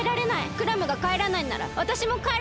クラムがかえらないんならわたしもかえらないから！